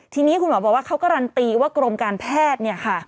ทีนี้คุณหมอบอกว่าเขาการันตีว่ากรมการแพทย์เนี่ยค่ะ